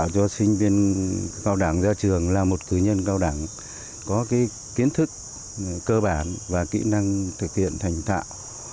cao đẳng ra trường là một cử nhân cao đẳng có kiến thức cơ bản và kỹ năng thực hiện thành tạo